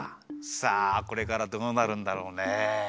さあこれからどうなるんだろうね。